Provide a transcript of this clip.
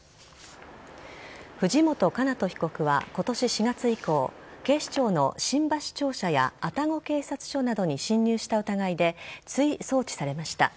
藤本叶人被告は今年４月以降警視庁の新橋庁舎や愛宕警察署などに侵入した疑いで追送致されました。